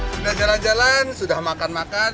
sudah jalan jalan sudah makan makan